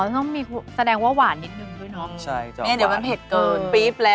อ๋อต้องมีแสดงว่าหวานนิดนึงด้วยเนอะ